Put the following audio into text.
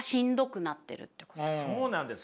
そうなんです。